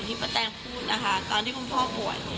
ป้าแตงพูดนะคะตอนที่คุณพ่อป่วย